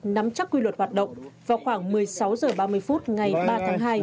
nắm chắc quy luật hoạt động vào khoảng một mươi sáu h ba mươi phút ngày ba tháng hai